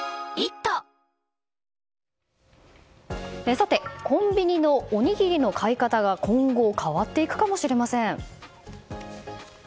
さて、コンビニのおにぎりの買い方が今後変わっていくかもしれません。